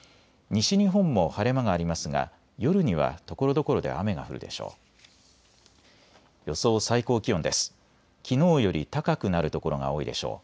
西日本も晴れ間がありますが夜にはところどころで雨が降るでしょう。